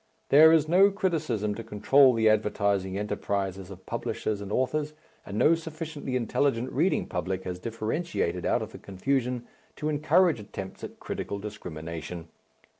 There is no criticism to control the advertising enterprises of publishers and authors, and no sufficiently intelligent reading public has differentiated out of the confusion to encourage attempts at critical discrimination.